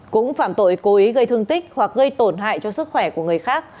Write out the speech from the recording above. cũng phạm tội cố ý gây thương tích hoặc gây tổn hại cho sức khỏe của người khác